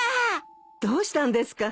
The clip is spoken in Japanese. どうしたんですか？